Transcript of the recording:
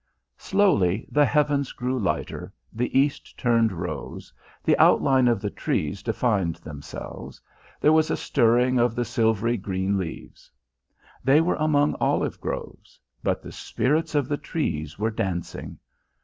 Slowly, the heavens grew lighter, the east turned rose, the outline of the trees defined themselves, there was a stirring of the silvery green leaves. They were among olive groves but the spirits of the trees were dancing.